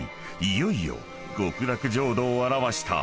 いよいよ極楽浄土を表した］